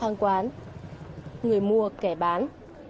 hàng quán người mua kẻ bán